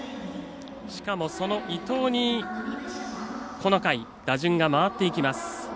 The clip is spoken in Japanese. しかも、その伊藤にこの回打順が回っていきます。